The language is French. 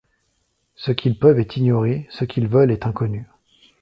Ce qu’ils peuvent est ignoré, ce qu’ils veulent est inconnu.